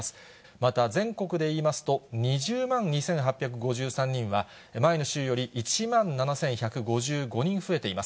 また全国でいいますと、２０万２８５３人は、前の週より１万７１５５人増えています。